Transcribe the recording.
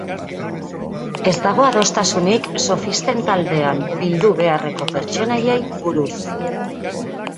Ez dago adostasunik sofisten taldean bildu beharreko pertsonaiei buruz.